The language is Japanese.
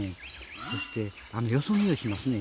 そして、よそ見をしますね。